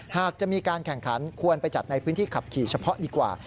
หากจะมีการแข่งขันควรไปจัดในพื้นที่ขับขี่เฉพาะดีกว่า